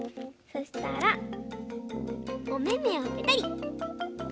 そしたらおめめをぺたり。